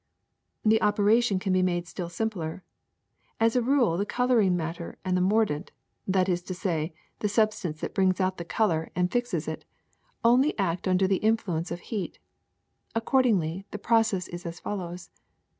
''The operation can be made still simpler. As a rule the coloring matter and the mordant, that is to say the substance that brings out the color and fixes 70 THE SECRET OF EVERYDAY THINGS it, act onlv under the influence of li?at. Accord ingly, the process is as follows.